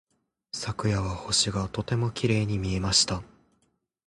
昨夜は星がとてもきれいに見えました。